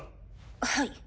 はい。